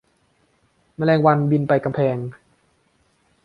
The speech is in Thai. แมลงวันบินไปกำแพง